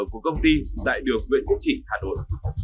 của công ty tại được viện hữu trị hà nội